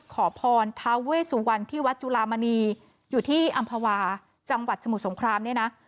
ขอพรทาเวสุวรรณที่วัดจุลามณีอยู่ที่อำภาวาจังหวัดสมุทรสงครามเนี่ยนะ